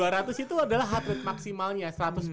nah dua ratus itu adalah heart rate maksimalnya seratus